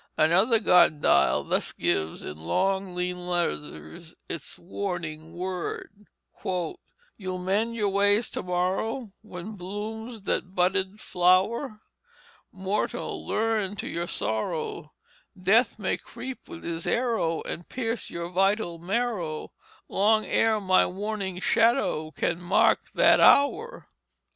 Another garden dial thus gives, "in long, lean letters," its warning word: "You'll mend your Ways To morrow When blooms that budded Flour? Mortall! Lern to your Sorrow Death may creep with his Arrow And pierce yo'r vitall Marrow Long ere my warning Shadow Can mark that Hour."